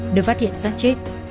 được phát hiện sát chết